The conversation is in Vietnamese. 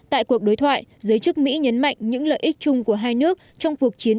tại cuộc đối thoại giới chức mỹ nhấn mạnh những lợi ích chung của hai nước trong cuộc chiến